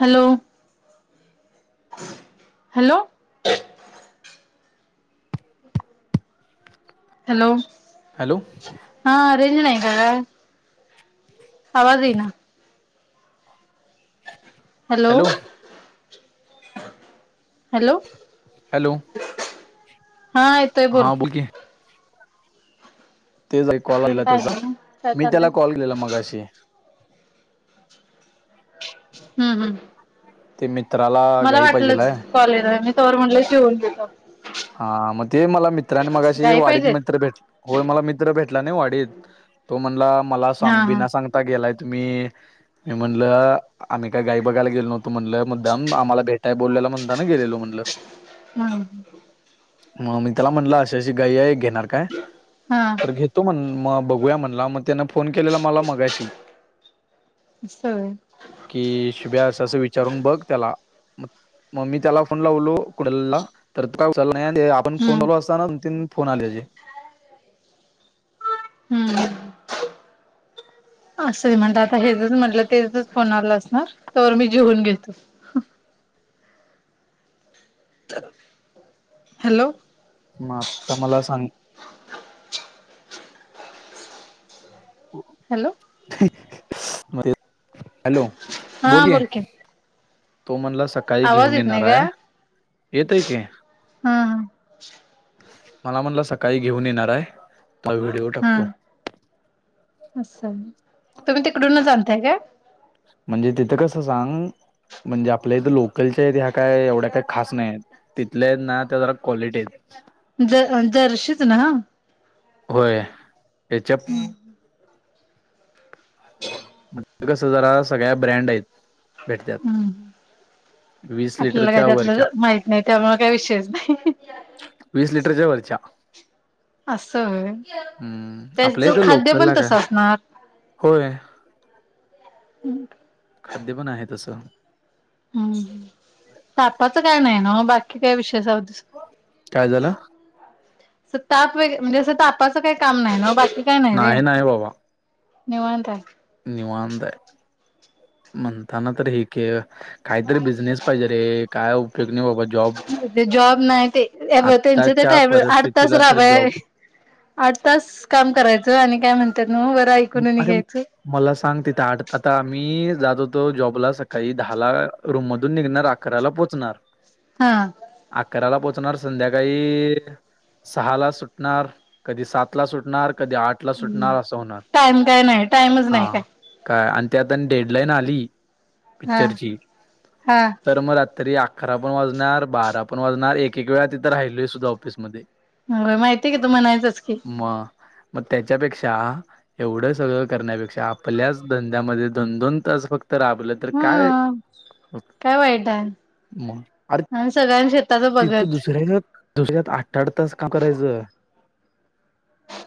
Hello. Hello. Hello, hello हा range नाही का काय? आवाज येईना हॅलो. हॅलो. हॅलो. हा येतोय बोल हा की तेच ऐकू काय [unintelligible] त्याचा, काय मी चाललंय तेला कॉल केलाला मगाशी हम्म हम्म. ते मी मला वाटलंच कॉलेराय, मी तवर म्हणलं शिवून घेतो. हा म ते मला मित त्रानी मगाशी गाई वाडीत पाहिजेत मित्र भेट, होय मला मित्र भेटला नई वाडीत, तो म्हणला मला हा सांग हा बीना सांगता गेलाय तुम्ही, मी म्हणल आम्ही काय गाई बघायला गेलो नव तो म्हणलं मुद्दाम, आम्हाला भेटाय बोलवल्याला म्हणता ना गेलेलो म्हणल. हम्म मग मी त्याला म्हटलं, अशी अशी गाई आय घेत णार काय? हा तर घेतो मन म बघूया म्हणला, म तेन फोन केलेला मला मगाशी अस होय कि शुभ्या अस असं विचारून बघ त्याला मग म मी त्याला फोन लावलो कुडल ला तर [unintelligible] काय उचलला नाही ते आपण फोन हम्म चालू असताना दोन-तीन फोन आलेचे. हम्म. असं म्हणतात हेचच म्हटलं तेचच फोन आला अस. हा तोवर मी जेऊन घेतो. [inaudible] [inaudible] हॅलो. मग आता मला सांग हॅलो [inaudible] मध्ये हा बोल की [unintelligible] आवाज येत नाही का? येतय की हा. मला म्हणला सकाळी घेऊन येणार आहे म व्हिडिओ टाकतो. अछा, तुम्ही तिकडूनच आणताय काय? म्हणजे तिथं कसं सांग? म्हणजे आपल्या इथं लोकलच्या आहेत ह्या काय एवढ्या काही खास नाही आहेत. तिथल्या आहेत ना त्या जरा क्वालिटी आहेत. ज-जर्शीच ना. होय हेच्या [inaudible] इथं कस जरा सगळ्या ब्रँड आहेत भेटत्यात. हम्म. वीस आपल्याला काय लिटरच्या वरच्या त्यातलं माहित नाही त्यामुळे काही विषयच नाही. वीस लिटरच्या वरच्या असं होय. हम्म त्याच आपल्या इथं खाद्य पण लोकलला काय तस असणार. होय. हम्. खाद्य पण आहे तसं. हम्, तापाच काय नाही नव्ह बाकी काय विषय ते जाऊदे सो काय झालं [inaudible] असं ताप वगैरे म्हणजे असं तापाचं काही काम नाही ना. काय रे नाही, नाही बाबा. निवांत निवांत आहे म्हणताना तर एक-एक काही तरी बिझनेस पाहिजे रे काय उप ते जॉब नाही ते ए बघ त्यांच आत्ताच्या ते [unintelligible] आठ तास परिस्थितीला तर राबाय जॉब आठ तास काम करायचं आणि काय म्हण अरे मला सांग तिथे आठ आता आमी एकच जात होतो. जॉबला सकाळी दहा ला रूम मधून निघणार अकराला पोचणार. हा. अकराला पोच नार संध्याकाळी सहा ला सुटणार. कधी सात ला सुटणार पण कधी आठ ला सुटणार असं होणार. टाइम काय नाही टाईमच हा नाही काय. काय आणि ते आता डेडलाईन आली हा पिक्चरची हा [inaudible] तर मग आ तरी अकरा पण वाजणार बारा पण वाजणार एक- एक वेळा तिथं राहिलोय सुद्धा ऑफिसमध्ये. माहितीय कि तू म्हणायचस की मग मग त्याच्यापेक्षा एवढं सगळं करण्यापेक्षा आपल्याच धंद्यामध्ये दोन-दोन तास फक्त तर आपलं तर हा काय काय वाईट आहे [inaudible] म अरे आणि सगळ्यांनी शेताच तिथ बघत दुसऱ्यां [inaudible] च्यात दुसऱ्यात आठ-आठ तास काम करायचं.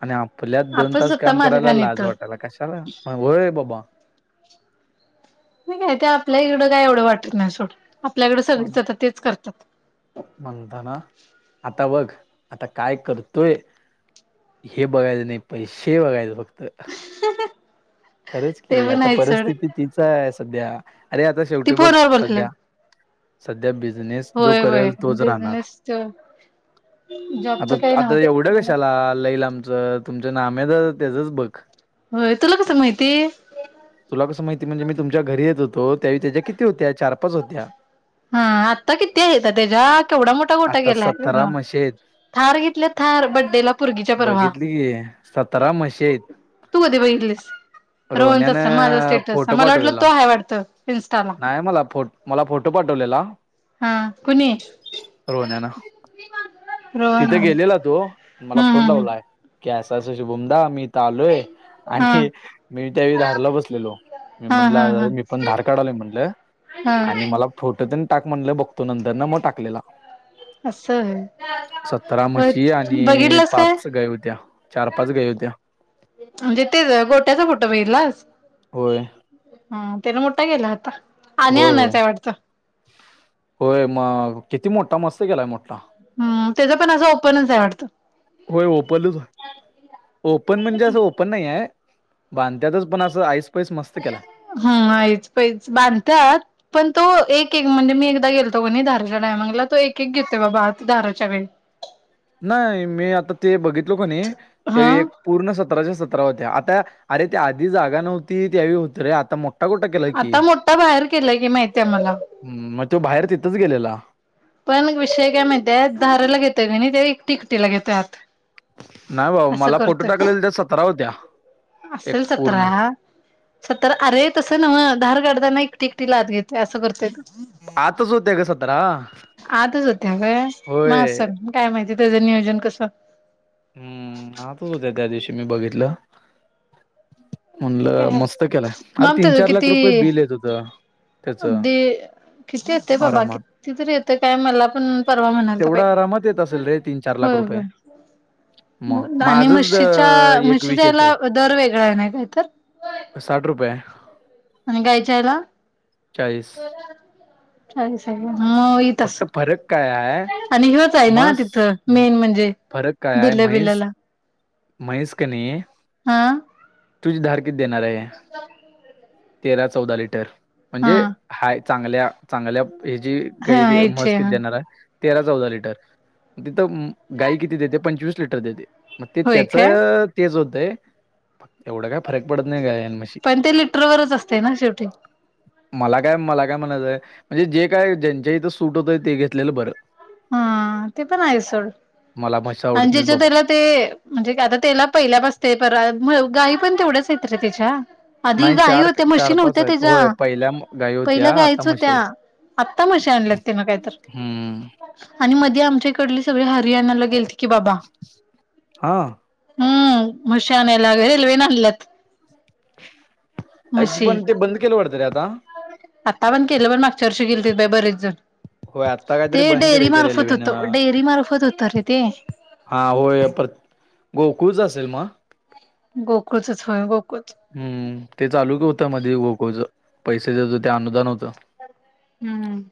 आणि आपल्यात दोन आपण तास स्वतः काम करायला मालकान लाज येतो वाटायला कशाला होय बाबा. काय ते आपल्या इकडं काय एवढं वाटत नाही सोड आपल्याकडं म्हण सगळीच अता तेच करत्यात. म्हणताना आता बघ. आता काय करतोय हे बघायचं नाही पैसे बघायचे. तर खरंच ते की पण आता नाही चड परिस्थिती तिच आहे सध्या अरे आता ती शेवटी बघ फोनवर बोलले सध्या सध्या ब बिजनेस जो होय होय करेल तोच राहणार. बिझनेस जॉबच आता काही आता नव्हते एवढं खरं ना कशाला लईलाम तुमच तुमच्या नामच त्याचंच बघ होय तुला कसं माहिती तुला कसं माहिती म्हणजे मी तुमच्या घरी येत होतो त्यावेळी त्याच्या किती होत्या चार पाच होत्या. हा आता किती हायेती त्याच्या केवढा मोठा गोठा आता गेलाय. सतरा म्हशी आहेत थार घेतल्या थार बड्डेला पुर्गीच्या परवा बघितली की सतरा म्हशी आहेत [inaudible] तू कधी बाई [unintelligible] रोहनच अस माझा रोहण्यानं स्टेटस फोटो मला वाटलं तो पाठवलेला आहे वाटत इन्स्टाला नाही मला फो मला फोटो पाठवलेला हा कुणी? रोहण्यान रोहन तिथे हम्म गेलेला तो मला फोन हम्म लावलाय की अस- असं शुभुमदा मी इथ आलोय. [unintelligible] हा आणि मी त्यावेळी धारला बसलेलो मी हा हा म्हणला हा मी पण धार काढायलो म्हणलं. हा आणि मला फोटो [unintelligible] टाक म्हणलं बघतो नंतर ना मग टाकलेला. [unintelligible] सत्तरा होय म्हशी आणि बघितलंस काय? पाच गाई होत्या चार पाच गाई होत्या. म्हणजे तेच गोट्याचा फोटो बघितलास होय [inaudible] त्यान मोठा गेला होता आणि होय होय आणायचंय वाटतं. होय म किती मोठा मस्त गेलाय मोठा, हम् त्याचं पण असं ओपनच आहे वाटत. [inaudible] ओपन म्हणजे असं ओपन नाहीये बांधत्यातच पण असं ऐस, पैस मस्त केलाय हैच पैच बांधत्यात पण तो एक एक एक म्हणजे मी एकदा गेलो कि नई [unintelligible] तो एक एक घेतोय बाबा धाराच्या गाई नाही मी आता ते बघितलो कणी त्या हा एक पूर्ण सतराच्या सतरा होत्या आता अरे ते आधी जागा नव्हती त्यावेळी होत रे आता [unintelligible] [unintelligible] केलाय की् आता मोठा बाहेर केलाय की माहितीय मला. म त्यो बाहेर तिथच गेलेला, पण विषय काय माहितीये धाराला घेतोय की नाही ते [unintelligible] घेतोय आत नाही बाबा असं मला फोटो करतोय टाकले [unintelligible] सतरा होत्या. एक असेल पूर्ण सतरा, सतरा अरे तस नव्हं धार काढताना एक [unintelligible] असं करतोय तो आतच होत्या ग सतरा आतच होत्या काय म होय असल काय माहिती त्याचं नियोजन कसं. हम्म आतच होत्या त्या दिवशी मी बघितलं. ते म्हणलं काय हाय. मस्त केलाय अरे तीन चार लाख रुपये बिल येत होत. अगदी किती येतंय बाबा आरामात कितीतरी येतं काय मला पण परवा म्हणालता बय तेवढा आरामात येत असेल रे तीन चार लाख होय रुपये होय. मग आणि माझंच द- म्हशीच्या एक वीस म्हशीच्या येत याला आहे दर वेगळा आहे नाही का. साठ रुपये आहे. आणि गाईच्या ह्याला चाळीस [unintelligible] तस फक्त फरक काय आणि ह्योच आहे ना म्हस तिथं मेन म्हणजे फरक काय आहे बिल्ल म्हैस बिल्लाला म्हैस कीनई हा तुझी धार आहे तेरा चौदा लिटर हा म्हणजे हाय चांगल्या चांगल्या हेची हा [unintelligible] म्हस याचे किती ह देणार आहे. तेरा चौदा लिटर तिथं गाई किती देते पंचवीस लिटर देते. मग ते होय त्याच काय तेच होतंय एवढं काय फरक पडत नाही ग पण ते लिटरवरच असते ना शेवटी.. मला काय मला काय म्हणायचंय म्हणजे जे काय ज्यांच्या इथं सूट होतंय ते घेतलेलं बरं... हा ते पण आहे.. मला म्हशी आणि आवडत नाहीत ज्याच्या बाबा त्याला ते म्हणजे आता त्याला पहिल्यापासते पर गा.. पण तेवढंच येत रे तिच्या... आधी नाही गाई चार होत्या म्हशी चार पाच नव्हत्या आहेत त्याच्या होय पहिल्या गाई पहिल्या होत्या आता गाईच म्हशी होत्या. आहेत. आत्ता म्हशी आणल्यात तीन ना कायतर... हम्म आणि मध्ये आमच्याकडले सगळे हरियाणाला गेलेते की बाबा. हम्म म्हशी आनायला रेल्वे न आणल्यात. म्हशी. पण ते बंद केलं वाटत रे आता.... त पण केलं पण मागच्या वर्षी गेलीत बाई बरेच जण.... हो आत... आता काहीतरी ते बंद डेअरी केलंय ते मार्फत रेल्वेने होतं डेअरी मार्फत होतं रे ते. हा होय पर... गोकुळच असेल मग.... गोकुळचच होय गोकुळच हम्म ते चालूक होतं मध्ये गोकुळच... पैसे देत होती अनुदान होत... हम्म....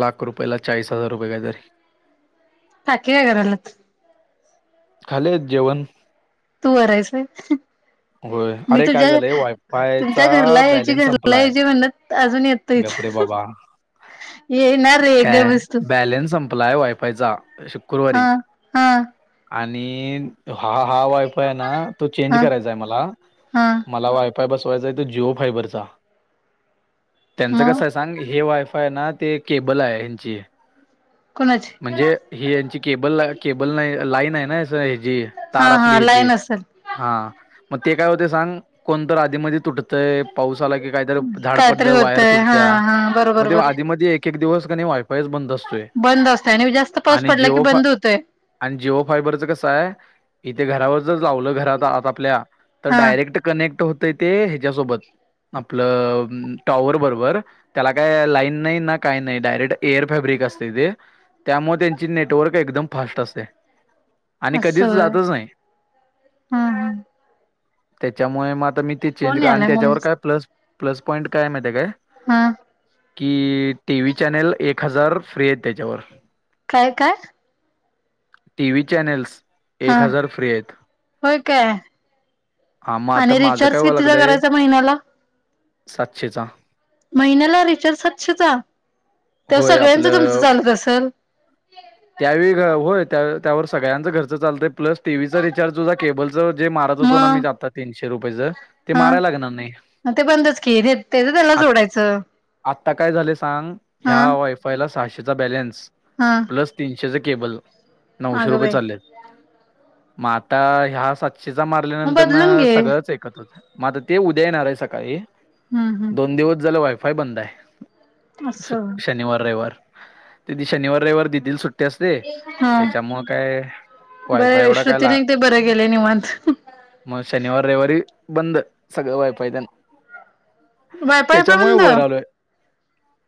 लाख रुपयेला चाळीस हजार रुपये काहीतरी.... काकी काय करायला लागल्यात.... खाली हायत जेवण... तू वर हायस व्हय.... होय मी अरे काय तुझ्या झालंय तुमच्या वायफायचा घरला याची घरला याची म्हणत अजून येतोय.... गपरे बाबा... येणार रे काय गप बस तू बॅलन्स संपलाय वायफायचा हा शुक्रवारी.... हा आणि हा हा वायफय आहे ना तो चेंज हा करायचा आहे मला हा मला वाय... फाय बसवायचाय त्यो जीओ फायबर चा. त्यांचं कस मग हाय सांग हे वाय... फाय ना ते केबल आहे ह्यांची... कोणाची.... म्हणजे ही यांची केबल केबल नाही लाईन आहे ना हची हा तार हा आपली हची.... लाईन असेल हा मग ते काय होते सांग कोणत आधीमध्ये तुटत... तय पाऊस आला की काहीतरी झाड कायतरी पडलं वायर होतय हा तुटत्या हा बरोबर मते बरोबर. आधी मधी... एक एक दिवस की नाही वायफायच बंद असतोय बंद असतय आणि जास्त पाऊस आणि पडला की जीओ फा... बंद होतोय आणि जिओ फायबरचं कसं हाय.... इथे घरावर जर लावलं घरात आता आपल्या तर हा डायरेक्ट कनेक्ट होतं ते ह्याच्यासोबत.... आपलं टॉवर बरोबर त्याला काय लाईन नाही ना काय नाही डायरेक्ट.... एअर फॅब्रिक असते ते त्यामुळे त्यांची नेटवर्क एकदम फास्ट असते... आणि असं कधीच होय जातच नाही.... हा हा त्याच्यामुळे मग आता मी ते चेंज फोन कर आणि यालाय त्याच्यावर काय मम्मीचा प्लस प्लस पॉईंट काय माहि काय..... हा.... कि टी व्ही चॅनल एक हजार फ्री आहेत त्याच्यावर. काय काय. टीव्ही चॅनेल्स एक हा हजार फ्री आहेत. होय काय हा मग आता आणि माझं काय रिचार्ज व्हायला कितीचा लागलंय करायचा महिन्याला सातशेचा.... महिन्याला रिचार्ज सातशे चा त्यावर होय सगळ्यांचं आपलं तुमचं चालत असेल.... त्यावेळी घ... होय त्यावर सगळ्यांचं घरच चालतय प्लसी टि व्ही चा रिचार्ज सुद्धा केबलचं जे मारत होतो ना मी मग आता तीशे शे रुपयेंच... हा ते बंदच की रे तेच त्याला जोडायचं. आता काय झा सांग हा ह्या वायफायला सहाशेचा बॅलन्स हा प्लस तीनशेच केबल नऊशे अगं रुपये बाई चाल्यात, मग आता ह्या सातशेचा मा रल्या मग नंतर बदलून न घे सगळंच ऐकत्र होत मग आता ते उद्या येणार आहे सकाळी. हम्म दोन हम्म दिवस झाले वायफाय बंद आहे, असं होय शनिवार रविवार. ते ती शनिवार रविवार दिदिला सुट्टी असते. त्याच्यामुळं काय, वायफाय बर, एवढा काय श्रुतीने ला एक ते बरं गेले निवांत. मग शनिवार रविवारी, बंद सगळं वायफाय तेन. वायफाय पण बंद.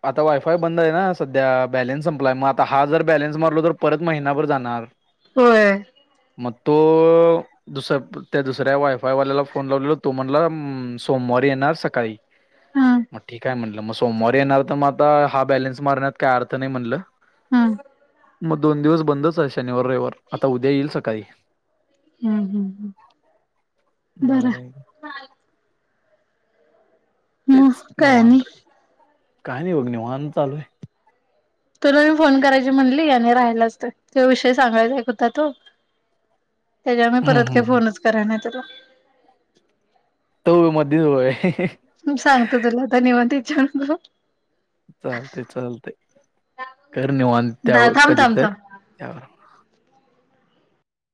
आता वायफाय बंद आहे ना, सध्या बॅलेन्स संपलाय. मग आता हा जर बॅलेन्स मारलो तर परत महिनाभर जाणार. होय. मग तो दुस त्या दुसऱ्या वायफाय वाल्याला फोन लावलेलो. तो म्हणला सोमवारी येणार सकाळी, हा मग हा ठीक आहे म्हणलं. मग सोमवारी येणार तर, मग आता हा बॅलेन्स मारण्यात काय अर्थ नाही म्हटलं. हम्म. मग दोन दिवस बंदच आहे, शनिवार रविवार आता उद्या येईल सकाळी. हम्म हम्म हम् बर. भारी आहे की. मग काय आणि. काही नाही बघ निवांत चालू आय. तुला मी फोन करायची म्हणली, आणि राहायलाच त विषय सांगायचा एक होता तो. त्यांच्यावर, मी हम्म परत हम्म काय हम्म. फोनच कराय नाही तुला. मधि होय. सांगतो तुला आता निवांत हिच्या रतो. चालते चालते. कर निवांत दहा त्यावर थांब कधी थांब तर, थांब त्यावर